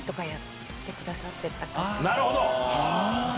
なるほど！